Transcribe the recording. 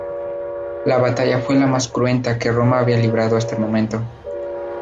La batalla fue la más cruenta que Roma había librado hasta el momento.